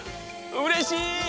うれしい！